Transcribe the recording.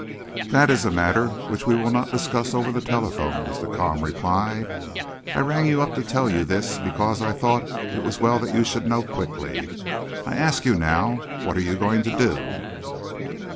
"That is a matter which we will not discuss over the telephone," was the calm reply. "I rang you up to tell you this because I thought it was well that you should know quickly. I ask you now what you are going to do."